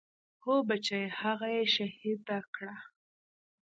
هو بچيه هغه يې شهيده کړه.